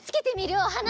おはな。